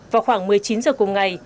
vào khoảng một mươi chín giờ cùng ngày